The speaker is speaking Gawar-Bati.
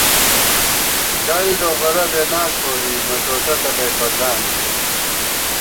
ڈل ڈوغورہ بېناک پوری ، مڅوٹہ تلَئ پَڅان دِی